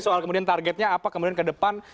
soal targetnya apa ke depan